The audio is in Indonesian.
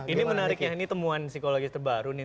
ini menariknya ini temuan psikologis terbaru